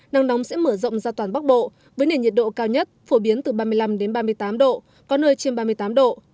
nắng nóng sẽ mở rộng ra toàn bắc bộ với nền nhiệt độ cao nhất phổ biến từ ba mươi năm đến ba mươi tám độ có nơi trên ba mươi tám độ